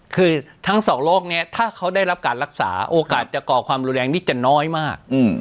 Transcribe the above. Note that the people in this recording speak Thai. คือทั้งสองโรคนี้ถ้าเขาได้รับการรักษาโอกาสจะก่อความรุนแรงนี่จะน้อยมาก